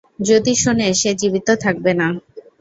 যদি শুনে, সে জীবিত থাকবে না।